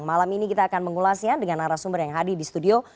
malam ini kita akan mengulasnya dengan arah sumber yang hadir di studio